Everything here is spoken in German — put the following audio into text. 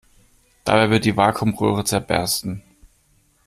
Dabei wird die Vakuumröhre zerbersten.